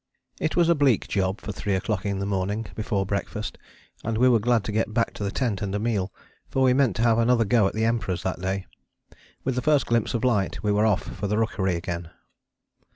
It was a bleak job for three o'clock in the morning before breakfast, and we were glad to get back to the tent and a meal, for we meant to have another go at the Emperors that day. With the first glimpse of light we were off for the rookery again.